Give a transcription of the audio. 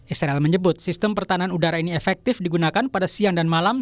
israel menyebut sistem pertahanan udara ini efektif digunakan pada siang dan malam